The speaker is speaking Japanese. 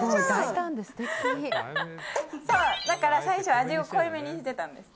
だから最初味を濃いめにしていたんです。